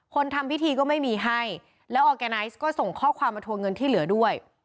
ทำพิธีก็ไม่มีให้แล้วออร์แกไนซ์ก็ส่งข้อความมาทัวร์เงินที่เหลือด้วย